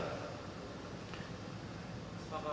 pak kalau sudah mengusulkan